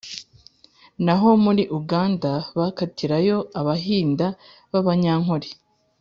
naho muri Uganda bakatirayo Abahinda bAbanyankole